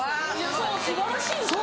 そう素晴らしいですよ。